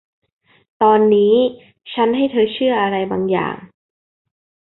ตอนนี้ชั้นให้เธอเชื่ออะไรบางอย่าง